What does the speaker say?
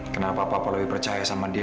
kenapa papua lebih percaya sama dia